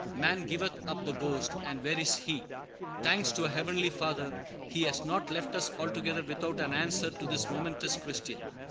"Man giveth up the ghost; and where is he?" Thanks to our Heavenly Father, He has not left us altogether without an answer to this momentous question.